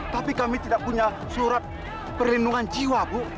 tapi kami tidak punya surat perlindungan jiwa bu